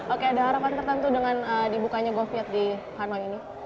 oke ada harapan tertentu dengan dibukanya goviet di hanoi ini